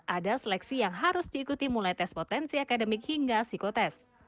ada seleksi yang harus diikuti mulai tes potensi akademik hingga psikotest